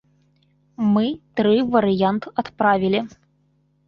Мы тры варыянт адправілі.